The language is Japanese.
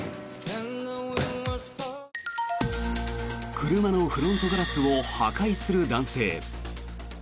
車のフロントガラスを破壊する男性。